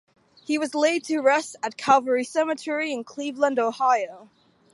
He was laid to rest at Calvary Cemetery in Cleveland, Ohio.